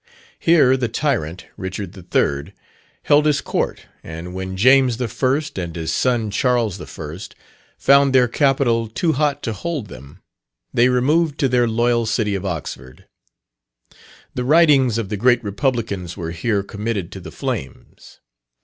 Here the tyrant, Richard the Third, held his court, and when James the First, and his son Charles the First, found their capital too hot to hold them, they removed to their loyal city of Oxford. The writings of the great Republicans were here committed to the flames.